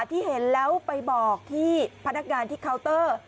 ที่เห็นแล้วไปบอกที่พนักงานที่เคาน์เตอร์